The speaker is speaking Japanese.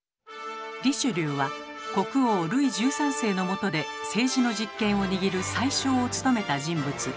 リシュリューは国王ルイ１３世のもとで政治の実権を握る宰相を務めた人物。